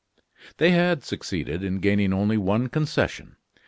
They had succeeded in gaining only one concession.